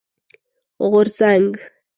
غورځنګ